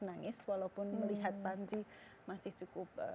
nangis walaupun melihat panji masih cukup